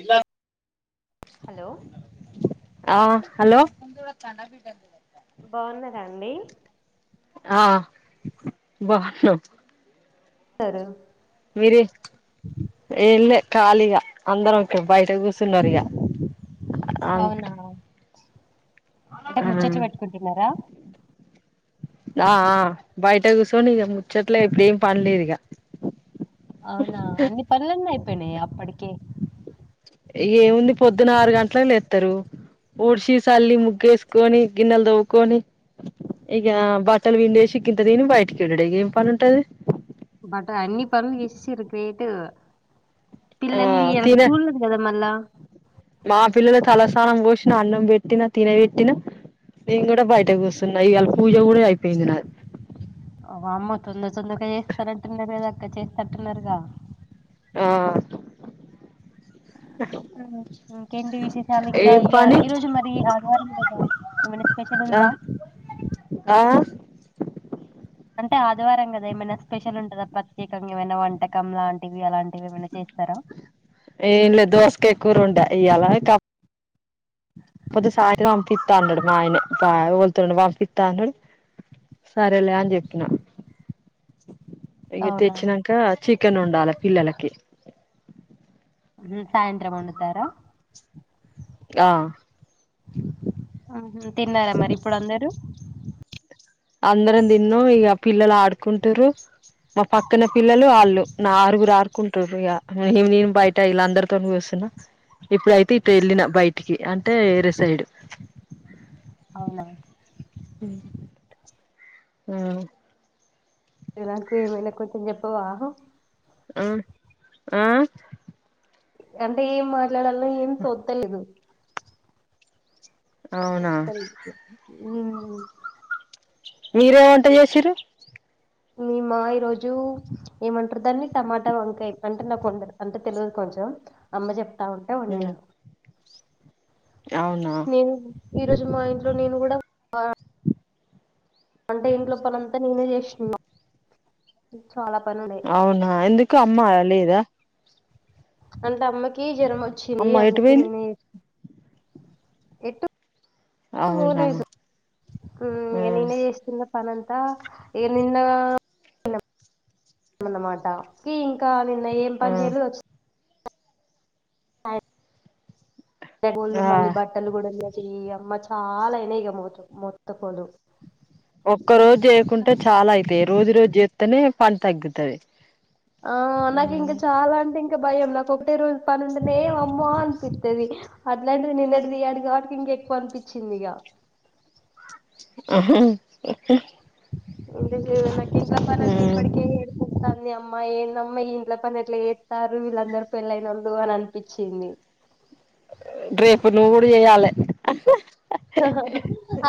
ఇలా హలో ఆ హలో బాగున్నరా అండి ఆ బావున్నం సారు మీరి ఏల్లే ఖాళీగా అందరం ఓకే బయట కూసున్నరు ఇగ ఆ అం అవునా అంటే ముచ్చట్లు పెట్టుకుంటున్నరా? ఆ ఆ బయట కూసోని ఇగ ముచ్చట్లే ఇప్పుడ ఏం పనిలేదు ఇగ అవునా అన్ని పనులన్నీ అయిపోయినాయ అప్పటికీ ఏముంది పొద్దున ఆరు గంటలకి లేత్తరు ఊడ్షి సల్లి ముగ్గేసుకొని గిన్నెల్ దోముకొని ఇగ బట్టల్ వవిండేసి గింత దిని, బయటికి ఎల్లుడే ఇగ ఏం పని ఉంటది? బట్ అన్ని పనులు చేసేసిర్రు గ్రేటు ఆ పిల్లలి ఇయాల తినే స్కూల్ లేదు కదా మల్ల మా పిల్లలు తలసానం పోసిన, అన్నం బెట్టిన తినబెట్టిన నేను గుడ బయట కూసున్నా ఇవాళ పూజ గుడర్ అయిపోయింది నాది. ఓ వామ్మో తొందర తొందరగా చేస్తారనట్టున్నరు కదక్క చేసేతట్టున్నరుగా ఆ అ ఇంకేంటి విశేషాలు ఇంకా ఏం ఇయా పని ఈ రోజు మరి ఆదివారం కదా, ఏమైనా స్పెషల్ ఆ ఉందా ఆ అంటే ఆదివారం కదా ఏమైనా స్పెషల్ ఉంటదా ప్రత్యేకంగా, ఏమైనా వంటకం లాంటివి అలాంటి ఏమైనా చేస్తరా ఏం లేదూ దోసకాయ కూరండా ఇయ్యాల కా పోతే సాయంత్రం తింట అంటడు మా ఆయన బా ఎవలి తోనైనా పంపిత్త అంటడు సరేలే అని జెప్పిన ఇగ అవునా తెచ్చినంక చికెన్ ఉండాలె పిల్లలకి ఉమ్ సాయంత్రం వండుతారా? ఆ ఆహ తిన్నారా మరి ఇప్పుడు అందరు? అందరం దిన్నం ఇగ పిల్లలు ఆడుకుంటుర్రూ మా పక్కన పిల్లలు ఆళ్ళు నా ఆరుగురు ఆరుకుంటుర్రు ఇగ నేను బయట్ టె ఇలా అందరితోనీ కూసున్న ఇప్పుడయితే ఇటు ఎళ్ళిన బయటికి అంటే ఏరేసైడు అవునా ఉమ్ ఉమ్ నాకు ఏమైనా కొంచం చెప్పవా? అ ఆ అంటే ఏం మాట్లాడాలో ఏం తొత్తలేదు అవునా వస్తలేదు ఉ మీరు ఏం వంట చేసిర్రు మీమా ఈరోజు ఏమంటారు దాన్ని టమాటా వంకాయ అంటే నాకు కొ అంటే తెలియదు కొంచెం అమ్మ చెప్తా ఉంటే ఉమ్ వండినా అవునా ఉ ఈ రోజు మా ఇంట్లో నేను కూడా అంటే ఇంట్లో పనీ అంతా నేనే చేస్తున్నా చాలా పని ఉండే అవునా ఎందుకు అమ్మ లేదా అంటే అమ్మకి జ్వరం వచ్చింది అమ్మ ఎటు అందుకే పోయింది నేనే ఎటు అవునా పోలేదు ఉ ఆ ఇగ నేనే చేసుకున్న పని అంతా ఏందో ఏందో న్నాం న్నమాట ఏ ఇంకా నిన్న ఏం ఆ పని చేయలేదు వ అయ్ ఇంతక ముందు ఆ మళ్ళీ బట్టలు కూడా చెయ అమ్మ చాలా అయినా ఇక మ మొత్త కోలు ఒక్క రోజు చేయకుంటే చాలా అయితాయి రోజు రోజు చేత్తేనే పని తగ్గుతది ఆ నాకు ఉమ్ ఇంకా చాలా అంటే ఇంకా భయం నాకు ఒకే రోజు పనుండినే అమ్మో అనిపిత్తది అట్లాంటిది నిన్నది తీయడు కాబట్టి ఇంక ఎక్కువ అనిపించింది ఇగ ఆహా ఎంత [inaudible] నా తంది అమ్మా ఏందమ్మా ఈ ఇంట్లో పని ఎట్లా చెత్తారు వీళ్ళందరు పెళ్ళైన వోళ్ళు అని అనిపించింది రేపు నువ్వు కూడా చెయాలే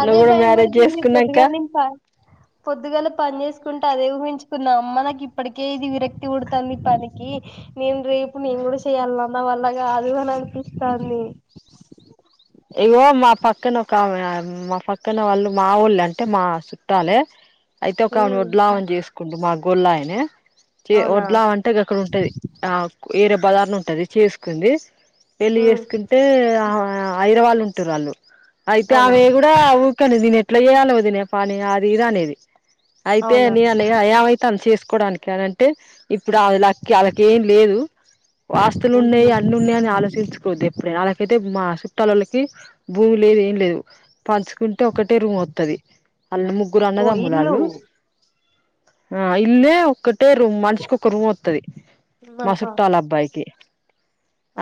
అదే భయమవుతుంది పొద్దుగా చేసుకున్నాంక నించి పొద్దుగాల పని చేసుకుంట అదే ఊహించుకున్నా మనకి ఇప్పటికే ఇది విరక్తి పుడతాంది పనికి నేను రేపు నేను కూడా చెయ్యాల్లనా నా వల్ల కాదు అని అనిపిస్తాంది ఇగో మా పక్కన ఒక ఆమె మా పక్కన వాళ్ళు మా ఒళ్ళు అంటే మా చట్టాలే అయితే ఒక ఉమ్ వడ్లా ఆమెను చేసుకుండు మా గోళ్ళ ఆయనే చి అవునా వడ్ల ఆమెను ఉంటది అక్కడ ఉంటది ఆ వేరే బజారణ ఉంటది చేసుకుంది పేళ్లి ఉమ్ చేసుకు కుంటే ఆమె హైదరాబాద్ లో ఉంటారు వాళ్ళు అయితే అవునా ఆమే ఊకని నేను ఎట్లా చేయాల వదిన పని అది ఇది అనేది అయితే అవునా నేను అన్న ఏమైతాంది చేసుకోవడానికి అని అంటే ఇప్పుడు ఆ వాళ్ళకి వాళ్ళకి ఏం లేదు వాస్తులు ఉన్నాయి ఉహు అన్నీ ఉన్నాయని ఆలోచించుకోవద్దు ఎప్పుడైనా అలాకైతే మా తలలకి భూమి లేదు ఏం లేదు పంచుకుంటే ఒకటే రూమ్ వత్తది వాళ్ళ ముగ్గు గురు ఓ అన్నదమ్ములు ఇల్లు వాళ్ళు ఆ ఇల్లు ఒ ట్టే రూమ్ మనిషికి ఒక రూమ్ వత్తది మా ఆహా చుట్టాల అబ్బాయికి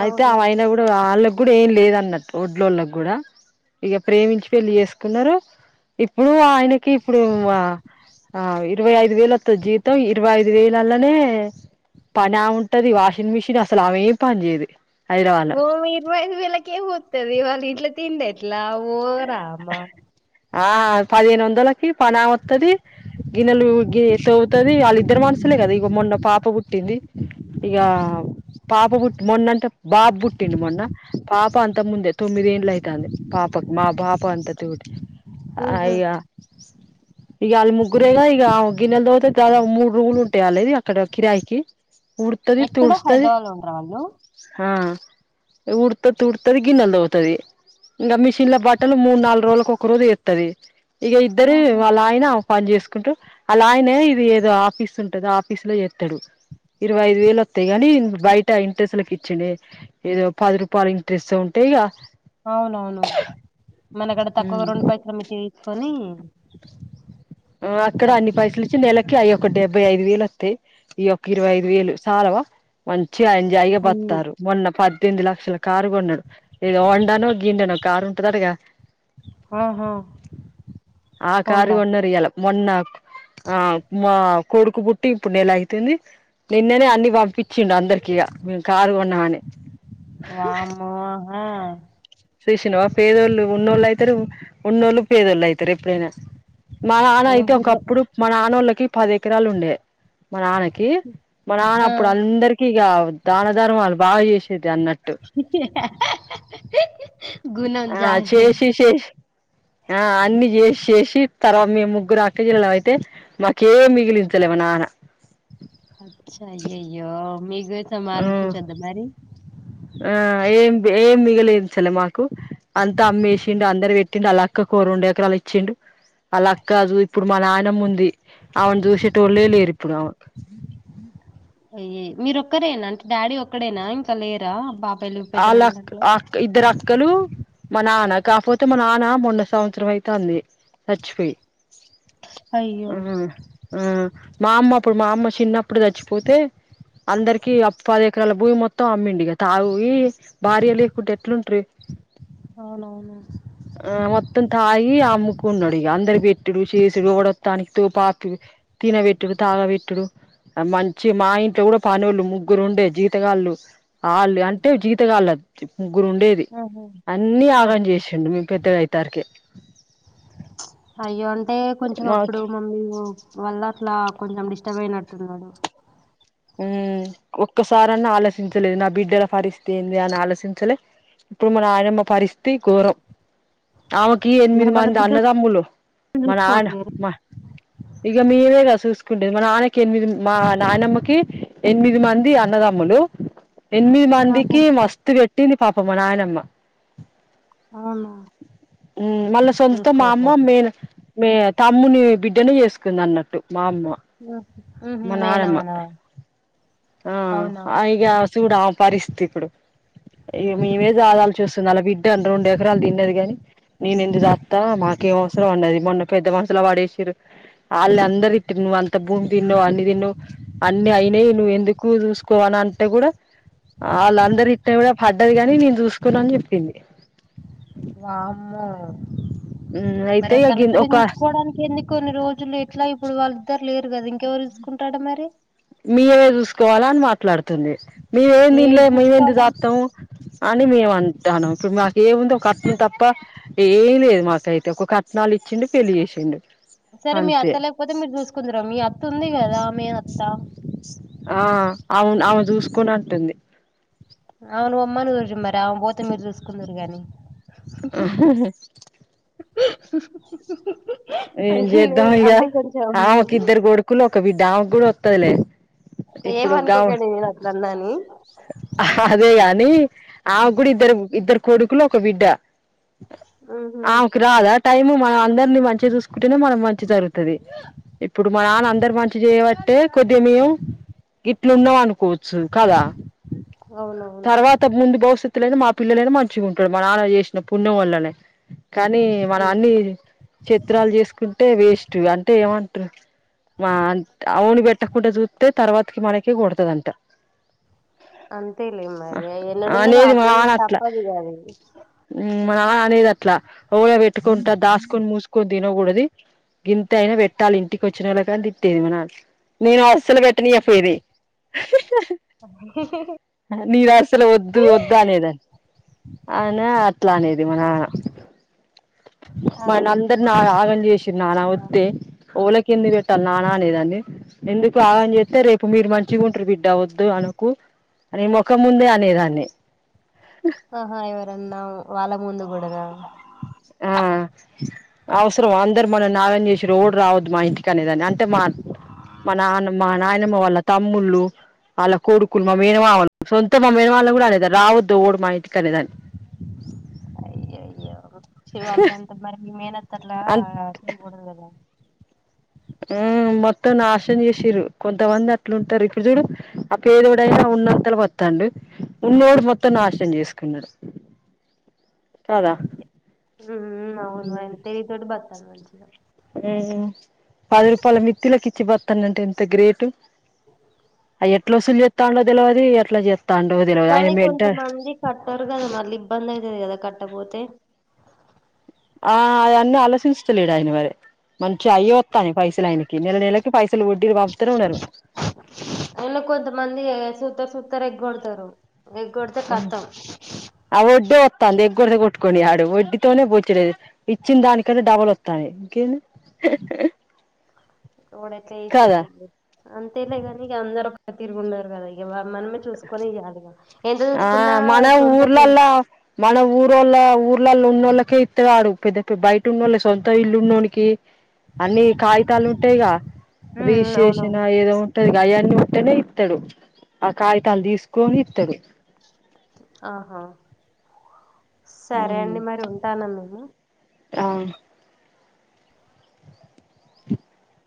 అయితే అవునా ఆయిన కూడా వాళ్ళకి కూడా ఏం లేదు అన్నట్టు వడ్ల వాళ్ళకి కూడా ఇగ ప్రేమించి పెళ్ళి చేసుకున్నారు ఇప్పుడు ఆయనకి ఇప్పుడు ఆ ఇరవై ఐదు వేలు వత్తాది జీవితం ఇరవై ఐదు వేలల్లానే పని ఆమె ఉంటది వాషింగ్ మిషిన్ అసలు ఆమె ఏమి పని చేయదు హైదరాబాద్ లో ఓ ఇరవై ఐదు వేలకే వత్తాది వాళ్ళ ఇంట్లా తిండి ఎట్లా ఓ రామా ఆ పదిహేను వందలకి పనీ ఆమె వత్తాది గిన్నెలు గి తోముతది వాళ్ళ ఇద్దరు మనసులే కదా ఇక మొన్న పాప పుట్టింది ఇగా పాప బుట్టి మొన్న అంటే బాబు పుట్టింది మొన్న పాప అంత ముందే తొమ్మిది ఏండ్లు అయితాంది పాపకి మా పాప అంత తూటి ఉహు అయ్యా ఇక వాళ్ళ ముగ్గురేగా ఇక ఆమె గిన్నెలు తోముతే దా మూడు రూములు ఉంటాయ్ ఆళ్ళవి అక్కడ కిరాయికి ఊడ్తది ఎక్కడ తుర్స్తది హైదరాబాద్ లో ఉంటరా వాళ్ళు ఉడతది తుడుత్తది గిన్నెలు తోముతది ఇంకా మిషన్ లో బట్టలు మూడు నాలుగు రోజులకు ఒక సారి ఎ ది ఈక ఇద్దరి ఆహా వాలా ఆయన పని చేసుకుంటూ అలా ఆయనే ఇది ఏదో ఆఫీస్ ఉంటది ఆఫీస్ లో చేత్తడు ఇరవై ఐదు వేలు వస్తాయి ని బయట ఇంట్రెస్లలకు ఇచ్చిండే ఏదో పది రూపాయలు ఇంట్రెస్ట్ ఉంటాయిగా అవునవును మనగడ తక్కువగా రెండు పైట్ల మట్ తీసుకొని ఆ అక్కడ అన్ని అట్లా పైసలు నెలకి అవిక్క డెబ్బై ఐదు వేలు వస్తాయి ఈయొక్క ఇరవై ఐదు వేలు చాలవా మంచిగా జైగ హుండు బతారు మొన్న పద్దెనిమిది లక్షల కారు కొన్నాడు ఏదో వండానో గిండానో కారు ఉంటదంటగా ఆహా ఆ కారు హోండా కొన్న రియ్యాల మొన్న ఆ మా కొడుకు బుట్టి ఇప్పుడు నేల అయితుంది నిన్నేనే అన్ని పంపించిండు అందరికిీగా మేము కారు కొన్నామని వామ్మో ఆ సుశీనవ పేదోళ్ళు ఉన్నోళ్ళు అయితరు ఉన్నోళ్ళు పేదోళ్ళు అవుతారు ఎప్పుడైనా మా నాన్న ఏం అయితే బుర్ర ఒకప్పుడు మా నాన్నోళ్ళకి పది ఎకరాలు ఉండే మా నాన్నకి మా నాన్న ఆ అప్పుడు అంద ఇక దాన ధర్మాలు బాగా చేసేది అన్నట్ [unintelligible] ఆ జారే చేేసి చేసి ఆ అన్ని చేసి చేసి తర్వా మేము ముగ్గురు అక్కచెల్లలం అయితే మాకే మిగిలిస్థలే నాన్న అచ్చ అయ్యయ్యో మీ కోసం ఆ ఆలోచించిద్ద మరి ఆ ఏం ఏం మిగలించలే మాకు అంతా అమ్మేసిండు అందరు పెట్టిండు ఆలక్కకు ఒ రెండు ఎకరాలు ఇచ్చిండు అలాక్క కా జు ఇప్పుడు మా నాయనమ్మ ఉంది ఆమెను చూసేటోళ్ళలే లేరు ఇప్పుడు ఆమ అయ్య మీరోక్కరేనా అంటే డాడీ ఒక్కడేనా ఇంకా లేరా బాబా ఆలక్ ఆ ఇద్దరు అక్కలు మా నాన్న కాకపోతే మా నాన్న మొన్న సంవత్సరం అయితే ఉంది సచ్చిపోయి అయ్యో ఉ ఆ మా అమ్మ అప్పుడు మా అమ్మ చిన్నప్పుడు చచ్చిపోతే అందరికి అప్ప పది ఎకరాల భూమి మొత్తం అమ్మిండు ఇగ తాగు భార్య లేకుంటె ఎట్లుంట్ర అవునవును ఆ మొత్తం తాగి అమ్మకున్నాడు ఇక అందరు పెట్టుడు చేసుడు ఎవడొస్తేఆనికి తాపి తిన పెట్టుడు తాగా పెట్టుడు మంచి మా ఇంట్లో కూడా పనుళ్ళు ముగ్గురు ఉండే జీతగాళ్ళు ఆళ్ళు అం అంటే జీతగాళ్ళు ముగ్గురు ఉండేది ఆహా అన్నీ ఆగం ఆహా చేసిండు మేము పెద్దగా అయితారికె అయ్యో అంటే కొంచెం అప్పుడు మాకు మమ్మీ వల్ల అట్ల కొంచెం డిస్టర్బ్ అయినట్టున్నాడు ఉ ఒక్కసారన్నా ఆలోచించలేదు నా బిడ్డల పరిస్థితి ఏంది అని ఆలోచించలే ఇప్పుడు మన నాయనమ్మ పరిస్థితి ఘోరం ఆమెకి మరి ఎనిమిది వాళ్ళ మంది బిడ్డలు అన్నదమ్ములు మా నాయన చూసుకోవట్లేరు మా ఇగ మీమేగా చూసుకుంటేది మా నాన్నకి ఎనిమిది మా నాయనమ్మకి ఎనిమిది మంది అన్నదమ్ములు ఎనిమిది ఆహా మందికి మస్త్ పెట్ ట్టింది పాపం మా నాయనమ్మ అవును ఉ మళ్ళా సొంత మా అమ్మో మేన్ మీ తమ్ముని బిడ్డనే చేసుకుంది అన్నట్టు మా అమ్మ ఉహూ మా మేనమామ నానమ్మ ఆ ఈగ చూడు ఆ పరిస్తిపుడు ఇ మేమే జాదాలు చూస్తుంది ఆల బిడ్డ అండి రెండు ఎకరాలు తిన్నది కాని నేను ఎందు జాక్త మాకేం అవసరం అన్నది మొన్న పెద్ద మనుసులో వాడేసిరు అల్ అందరి తిట్టిరు నువ్ అంత భూమి దిన్నవ్ అన్నీ దిన్నావ్ అన్ని అయినయి నువ్ ఎంద ఎక్కువ చూసుకోవాలంటే కూడా వాళ్ళందరు ఇట్ కూడా పడ్డది కాని నేను చూసుకున్నా అని చెప్పింది వామ్మో అయితే మరి ఇగ కనత గిన్ ఒక పెంచుకోవడానికి ఎందు కొన్ని రోజులు ఎట్లా ఇప్పుడు వాళ్ళిద్దరు లేరుగద ఇంకెవరు చూసుకుంటాడ మరి మీమే చూసుకోవాలా అని మాట్లాడుతుంది మేమేమి మీరు దీన్లే మేమేంది చూసుకోవాలంటే జాక్తాము అని మేము అంటాను ఇప్పుడు మాకు ఏముందో ఒక కట్నం తప్ప ఏం లేదు మాకైతే ఒక కట్నాలు ఇచ్చిండు పెళ్ళి చేసిండు సరే మీ అంతే అత్త లేకపోతే మీరు చూసుకుందురు మీ అత్త ఉంది కదా మీ అత్తా ఆ అవును అమ చూసుకున్నట్టుంది అవును పొమ్మను చూచు మరి ఆమెన పోతే మీరు చూసుకున్నరు గానీ ఏం అంటే చేద్దాం ఇగ అంటే కొంచెం ఆమెకి ఇద్దరు కొడుకులు ఒక బిడ్డ ఆమెకు కూడా వత్తదిలే ఏం అనుకోకండి నేను అట్ల అన్నాని అదే కాని ఆమే కూడా ఇద్దరు ఇద్దరు కొడుకులు ఒక బిడ్డ ఆకు రాదా టైము మనం అందరిని మంచిగ చూసుకుంటేనే మనం మంచి జరుగుతది ఇప్పుడు మా నాన్న అందరు మంచి చేయబట్టే కొద్దిగ మేము ఇట్లు ఉన్నావు అనుకోవచ్చు కాదా అవునవును ఇంత ముందు భవిష్యత్తులోనా మా పిల్లలైనా మంచిగ ఉంటాడు మా నాన్న చేసిన పుణ్యం వల్లనే కానీ మనం అన్ని చిత్రాలు చేసుకుంటే వేస్ట్ అంటే ఏమంటరు మా అవును బట్టకుంట చూప్తే తర్వాతకి మనకి కొడతదంత అంతే లే మరి ఎన్నడున్నది అనేది ఆకేజీ తప్పదు కాది మన అనేది అట్లా [unintelligible] పెట్టుకుంటా దాసుకొని మూసుకొని తినకూడది గింత అయినా పెట్టాలి ఇంటికి వచ్చిన వాళ్ళ కాని తిట్టేది మన నేను అసలు పెట్టని అప్పేది అ నీరు అసలు వద్దు వద్దు అనేదని అయినా అట్లా అనేది మనాన మన అందరిని ఆగ్ ఆగం చేసి అలా వద్దె ఓళకి ఎన్ని రేట ననేదడి ఎందుకు ఆగని చేత్తే రేపు మీరు మంచిగా ఉంటరు బిడ్డ వద్దు అనకు అని మొక్క ముందే అనేదాన్ని ఆహా ఇవరన్నా వాళ్ళ ముందు కూడరా ఆ అవసరం అందరు మనం నాగం చేసి రోడ్డు రావద్దు మా ఇంటికనేదాని అంటే మా మా నాన్నమ్ మా నాయనమ్మ వాళ్ళ తమ్ముళ్ళు అలా కోడుకులు మా మేనమామళ సొంత మా మేనవాళ్ళం కూడా అనేది రావద్దు ఓడు మా ఇంటికి అనేదాన్ని అయ్యో అయ్యో చివాళకింతా మరి మేనత్తట్లా అం ఈయగూడదు గద ఆ మొత్తం నాశనం చేసిరు కొంతమంది అట్లుంటారు ఇప్పుడు చూడు ఆ పేదోడ అయినా ఉన్నంతలు వత్తాండు ఉన్నోడు మొత్తం నాశనం చేసుకున్నాడు. కాదా ఊఉ అవును మరి తెలితోటి బతకాలి మంచిగా పది రూపాయల మితిలకిిచ్చి బతాన అంటే ఎంత గ్రేటు అయి ఎట్లా వసూలు చెస్తాండో తెలివది ఎట్లా చేస్తాండో తెలవదు ఆయన కానీ మెంట కొంతమంది కట్టరు కదా మళ్ళీ ఇబ్బంది అయితది కదా కట్టపోతే ఆ అయన్నీ ఆలోశించటలేడు ఆయన మరి మంచి అయ్య వత్తాని పైసలు ఆయన కి నెల నెలకి పైసలు వడ్డిలు ప అయినా కొంతమంది సూత సూతరు ఏగ్ కొడతారు. ఏగ్ కొడితే కత్తం ఆ ఒడ్డే వత్తంది ఎగ్గురి కొట్టుకొని ఆడు వడ్డీతోనే పోచ్చలేేదు ఇచ్చిన దానికన్నా డబల్ వత్తాయి కేంది హ్హ్ ఓడెట్లేసద్దంది అంతేలే కానీక అందరు ఒ ఒక తిరుగు ఉండారు కదా ఇ మనమ చూసుకొని ఇయ్యాలి గద ఎంత ఆ చూసుకున్నా మన సొంత ఫ్రెం ఊర్లల్ల మన ఊరోళ్ళ ఊర్లలో ఉన్న వాళ్ళకే ఇత్తవాడు పెద్ద పె బయట ఉన్న వాళ్ళ సొంత ఇల్లు ఉన్ననోకి అన్ని కాగితాలు ఉంటాయిగా ఉమ్ రీసేషన అవునవును ఏదో టది గా అయన్ని ఉంటేనే ఇత్తడు ఆ కాగితాలు తీసుకొని ఇత్తడు. ఆహా సరే అండి మరి ఉంటానా మేము ఆ అ